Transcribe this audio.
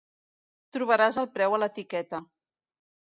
Trobaràs el preu a l'etiqueta.